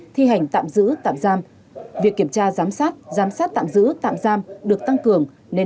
thi hành tạm giữ tạm giam việc kiểm tra giám sát giám sát tạm giữ tạm giam được tăng cường nên